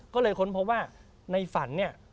ก็เลยค้นพบว่าในฝันเนี่ย